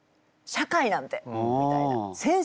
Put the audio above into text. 先生なんてみたいな。